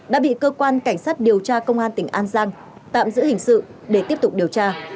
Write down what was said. đã bị cơ quan cảnh sát điều tra công an tỉnh an giang tạm giữ hình sự để tiếp tục điều tra